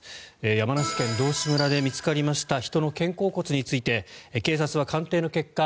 山梨県道志村で見つかりました人の肩甲骨について警察は鑑定の結果